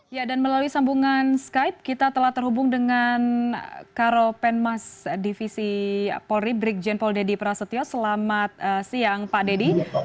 ya dan melalui sambungan skype kita telah terhubung dengan karo penmas divisi polri brigjen paul deddy prasetyo selamat siang pak deddy